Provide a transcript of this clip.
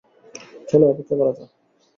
চলো অপেক্ষা করা যাক।